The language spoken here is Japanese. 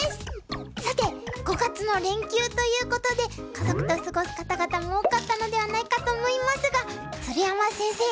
さて５月の連休ということで家族と過ごす方々も多かったのではないかと思いますが鶴山先生